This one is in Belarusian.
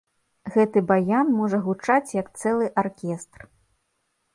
Гэты баян можа гучаць як цэлы аркестр.